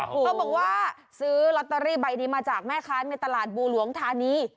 เขาบอกว่าซื้อลอตเตอรี่ใบนี้มาจากแม่ค้าในตลาดบูหลวงธานี